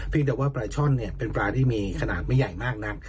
เพียงแต่ว่าปลาช่อนเป็นปลาที่มีขนาดไม่ใหญ่มากนัก